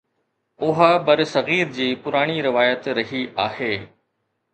اها برصغير جي پراڻي روايت رهي آهي.